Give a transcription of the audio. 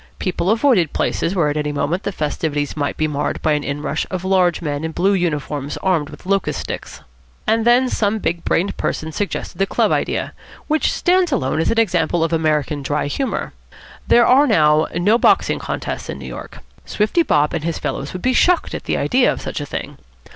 People avoided places where at any moment the festivities might be marred by an inrush of large men in blue uniforms armed with locust sticks. And then some big brained person suggested the club idea, which stands alone as an example of American dry humour. There are now no boxing contests in New York. Swifty Bob and his fellows would be shocked at the idea of such a thing.